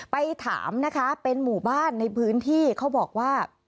ไปถามนะคะเป็นหมู่บ้านในพื้นที่เขาบอกว่า